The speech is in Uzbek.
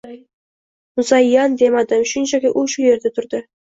Muzayyan demadim shunchaki u shu yerda turdi